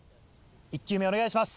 １球目お願いします。